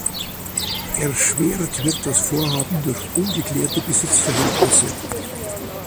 Erschwert wird das Vorhaben durch ungeklärte Besitzverhältnisse.